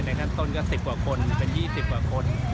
ขั้นต้นก็๑๐กว่าคนเป็น๒๐กว่าคน